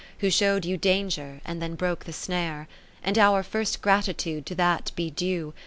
Who show'd you danger, and then broke the snare : And our first gratitude to that be due.